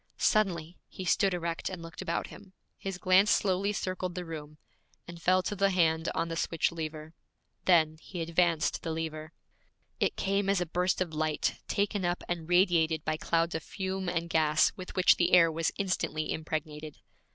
Suddenly he stood erect and looked about him. His glance slowly circled the room, and fell to the hand on the switch lever. Then he advanced the lever. It came as a burst of light taken up and radiated by clouds of fume and gas with which the air was instantly impregnated.